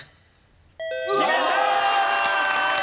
決めたー！